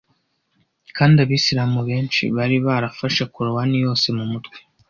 kandi Abisilamu benshi bari barafashe Korowani yose mu mutwe